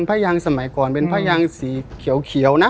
ผ้ายางสมัยก่อนเป็นผ้ายางสีเขียวนะ